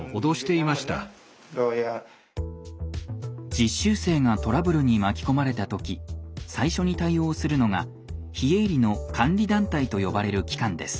実習生がトラブルに巻き込まれた時最初に対応するのが非営利の監理団体と呼ばれる機関です。